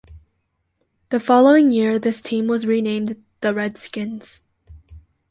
The following year this team was renamed "The Redskins".